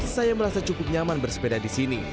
saya merasa cukup nyaman bersepeda di sini